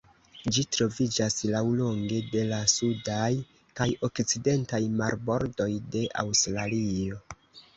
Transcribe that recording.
Ĝi troviĝas laŭlonge de la sudaj kaj okcidentaj marbordoj de Aŭstralio.